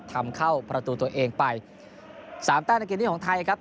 ทำเข้าประตูตัวเองไปสามแต้มในเกมนี้ของไทยครับ